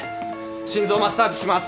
心臓マッサージします！